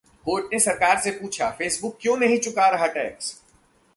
Court ने सरकार से पूछा, फेसबुक क्यों नहीं चुका रहा टैक्स?